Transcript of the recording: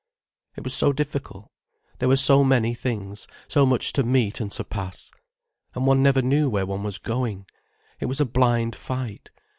It was so difficult. There were so many things, so much to meet and surpass. And one never knew where one was going. It was a blind fight.